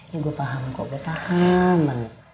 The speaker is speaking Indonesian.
ya gue paham kok gue tahan